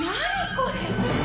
これ！